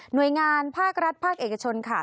โดยงานภาครัฐภาคเอกชนค่ะ